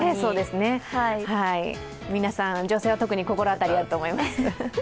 皆さん、女性は特に心当たりあると思います。